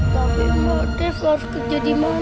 tapi ma dev harus kerja di mana ma